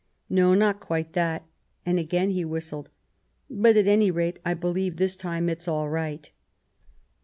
"No, not quite that," and again he whistled. " But at any rate I believe this time it's all right."